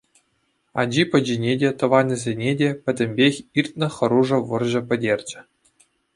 Ачи-пӑчине те, тӑванӗсене те — пӗтӗмпех иртнӗ хӑрушӑ вӑрҫӑ пӗтерчӗ.